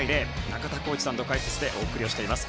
中田浩二さんの解説でお送りしています。